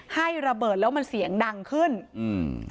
ให้ระเบิดแล้วมันเสียงดังขึ้นอืม